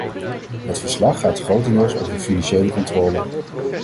Het verslag gaat grotendeels over financiële controle.